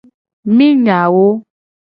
Mi nya wo.